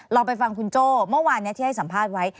เราไปฟังคุณโจ้เมื่อวานที่ให้สัมภาษณ์ไว้